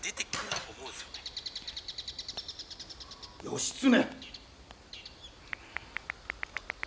義経！